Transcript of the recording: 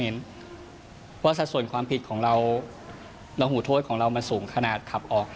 และหูโทษของเรามาสูงขนาดขับออก